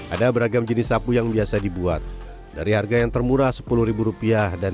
ada beragam jenis sapu yang biasa dibuat dari harga yang termurah sepuluh rupiah dan